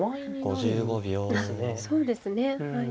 そうですね。